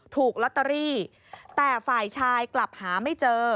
ถูกลอตเตอรี่แต่ฝ่ายชายกลับหาไม่เจอ